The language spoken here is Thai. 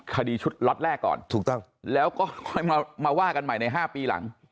คดีชุดล็อตแรกก่อนถูกต้องแล้วก็ค่อยมาว่ากันใหม่ใน๕ปีหลัง